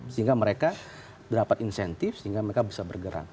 sehingga mereka dapat insentif sehingga mereka bisa bergerak